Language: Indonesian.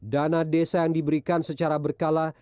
dana desa yang diberikan secara berkala